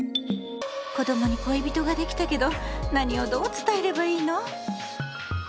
子供に恋人ができたけど何をどう伝えればいいの？